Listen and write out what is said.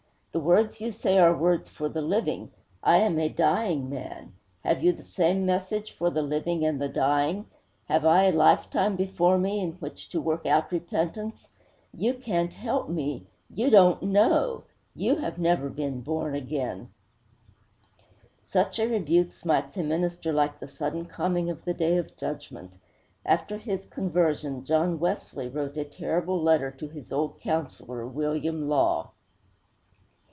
The words you say are words for the living. I am a dying man. Have you the same message for the living and the dying? Have I a lifetime before me in which to work out repentance? You can't help me! You don't know! You have never been born again!' Such a rebuke smites a minister like the sudden coming of the Day of Judgment. After his conversion John Wesley wrote a terrible letter to his old counselor, William Law.